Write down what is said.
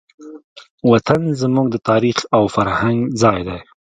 وطن زموږ د تاریخ او فرهنګ ځای دی.